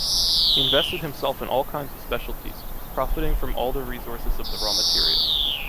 He invested himself in all kinds of specialties, profiting from all the resources of the raw material.